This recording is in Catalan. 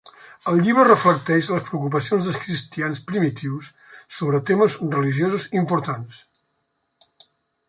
El llibre reflecteix les preocupacions dels cristians primitius sobre temes religiosos importants.